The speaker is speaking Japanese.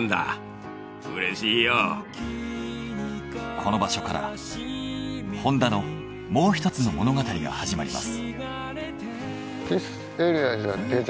この場所からホンダのもうひとつの物語が始まります。